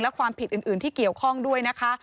และความผิดอื่นที่เกี่ยวข้องด้วยนะคะ